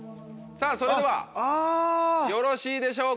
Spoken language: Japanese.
さぁそれではよろしいでしょうか？